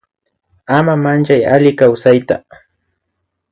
Ama Mayllay Asi kawsayta